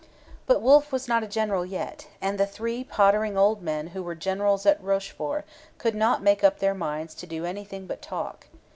But Wolfe was not a general yet; and the three pottering old men who were generals at Rochefort could not make up their minds to do anything but talk.